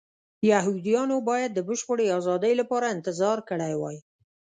یهودیانو باید د بشپړې ازادۍ لپاره انتظار کړی وای.